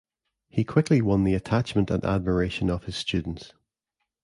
He quickly won the attachment and admiration of his students.